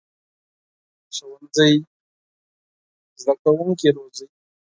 ښوونځی زده کوونکي روزي